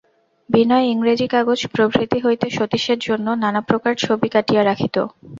বিনয় ইংরেজি কাগজ প্রভৃতি হইতে সতীশের জন্য নানাপ্রকার ছবি কাটিয়া রাখিত।